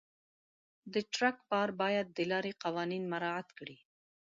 د ټرک بار باید د لارې قوانین مراعت کړي.